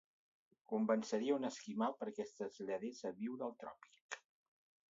Convenceria un esquimal perquè es traslladés a viure al tròpic.